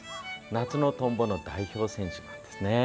夏のトンボの代表選手なんですね。